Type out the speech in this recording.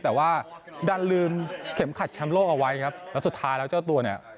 แต่ว่าดันลืมเข็มขัดแชมป์โลกเอาไว้ครับแล้วสุดท้ายแล้วเจ้าตัวเนี่ย